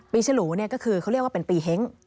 ปีฉลูก็คือเขาเรียกว่าเป็นปีเฮ้ง